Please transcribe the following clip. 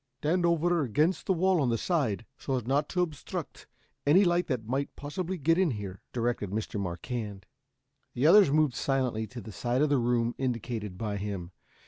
"Stand over against the wall on the side, so as not to obstruct any light that might possibly get in here," directed Mr. Marquand. The others moved silently to the side of the room indicated by him.